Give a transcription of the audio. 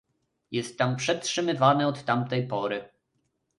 Jest tam przetrzymywany od tamtej pory